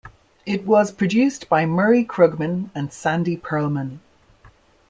It was produced by Murray Krugman and Sandy Pearlman.